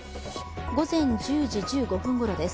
午前１０時１５分ごろです。